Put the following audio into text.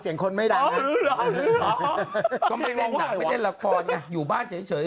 ใช้เหลือ